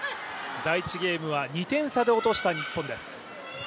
第１ゲームは２点差で落とした日本です。